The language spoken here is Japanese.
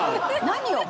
何を？